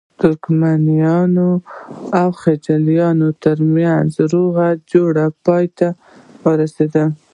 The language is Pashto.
ترکمنانو او خلجیانو ترمنځ روغه جوړه پای ته ورسېده.